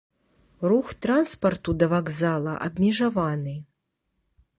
Рух транспарту да вакзала абмежаваны.